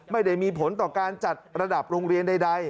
ไม่ได้มีผลต่อการจัดระดับโรงเรียนใด